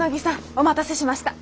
お待たせしました。